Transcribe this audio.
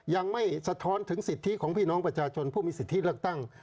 ยังไม่สะท้อนถึงสิทธิของพี่น้องประชาชนผู้มีสิทธิเลือกตั้ง